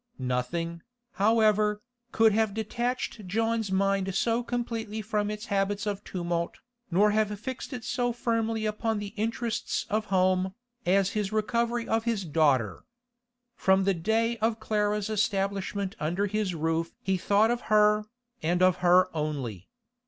Nothing, however, could have detached John's mind so completely from its habits of tumult, nor have fixed it so firmly upon the interests of home, as his recovery of his daughter. From the day of Clara's establishment under his roof he thought of her, and of her only.